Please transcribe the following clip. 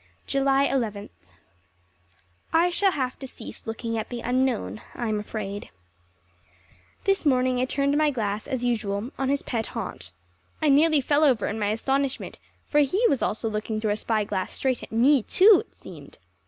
July Eleventh. I shall have to cease looking at the Unknown, I am afraid. This morning I turned my glass, as usual, on his pet haunt. I nearly fell over in my astonishment, for he was also looking through a spyglass straight at me, too, it seemed.